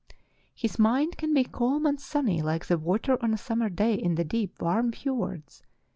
. His mind can be calm and sunny like the water on a summer day in the deep, warm fiords.